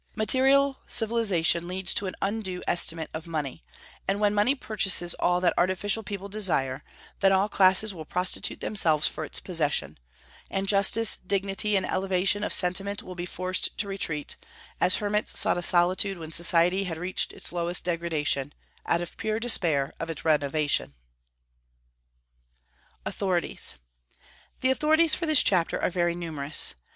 Material civilization leads to an undue estimate of money; and when money purchases all that artificial people desire, then all classes will prostitute themselves for its possession, and justice, dignity, and elevation of sentiment will be forced to retreat, as hermits sought a solitude when society had reached its lowest degradation, out of pure despair of its renovation. AUTHORITIES. The authorities for this chapter are very numerous.